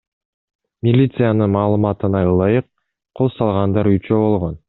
Милициянын маалыматына ылайык, кол салгандар үчөө болгон.